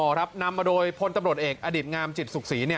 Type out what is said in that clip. นำมาโดยพลตำรวจเอกอดิตงามจิตสุขศรีเนี่ย